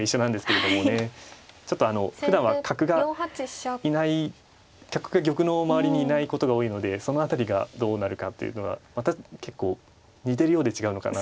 ちょっとふだんは角がいない角が玉のまわりにいないことが多いのでその辺りがどうなるかっていうのはまた結構似てるようで違うのかなと思います。